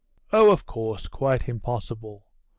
'Oh, of course, quite impossible.